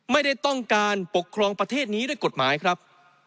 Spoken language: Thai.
ไม่ได้ต้องการปกครองประเทศนี้ด้วยกฎหมายครับ